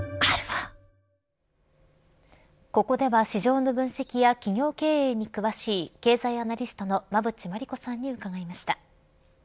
ここでは市場の分析や企業経営に詳しい経済アナリストの馬渕磨理子さんに伺いました。